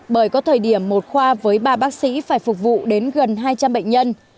bởi có thời điểm một khoa với ba bác sĩ phải phục vụ đến gần hai trăm linh bệnh nhân